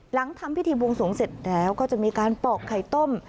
หลังทำพิธีบวงสวงเสร็จแล้วก็จะมีการปอกไข่ต้ม